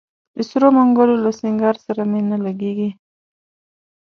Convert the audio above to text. د سرو منګولو له سینګار سره مي نه لګیږي